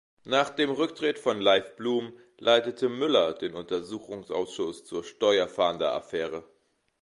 Nach dem Rücktritt von Leif Blum leitete Müller den Untersuchungsausschuss zur Steuerfahnder-Affäre.